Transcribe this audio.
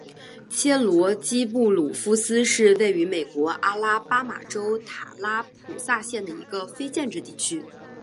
切罗基布鲁夫斯是位于美国阿拉巴马州塔拉普萨县的一个非建制地区。